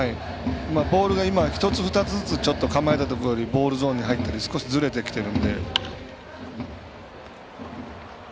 ボールが今、１つ２つずつちょっと構えたところよりボールゾーンに入ったり少し、ずれてきてるので。